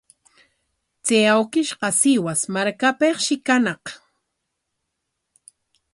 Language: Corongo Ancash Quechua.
Chay awkishqa Sihuas markapikshi kañaq.